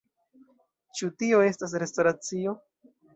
Ĉu tio estas restoracio?